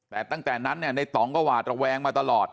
แต่ตั้งแต่นั้นเนี่ยในต่องก็หวาดระแวงมาตลอด